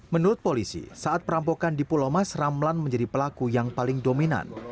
menurut polisi saat perampokan di pulau mas ramlan menjadi pelaku yang paling dominan